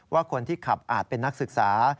ว่าคนที่ขับอาจเป็นนักศึกษา